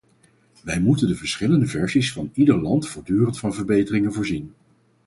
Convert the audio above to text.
Wij moeten de verschillende versies van ieder land voortdurend van verbeteringen voorzien.